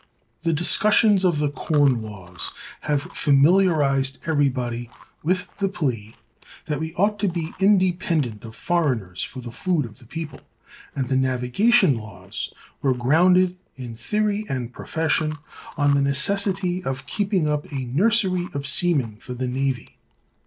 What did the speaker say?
(359) The discussions on the Corn Laws have familiarized everybody with the plea that we ought to be independent of foreigners for the food of the people; and the Navigation Laws were grounded, in theory and profession, on the necessity of keeping up a "nursery of seamen" for the navy.